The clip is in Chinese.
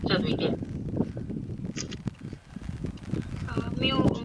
黄光裕现羁押于北京市第二监狱。